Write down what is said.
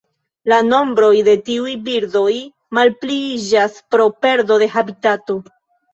La nombroj de tiuj birdoj malpliiĝas pro perdo de habitato.